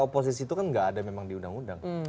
oposisi itu kan nggak ada memang di undang undang